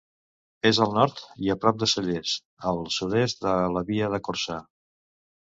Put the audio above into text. És al nord i a prop de Cellers, al sud-est de la Via de Corçà.